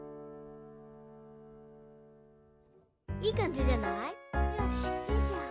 いいかんじじゃない？よいしょ。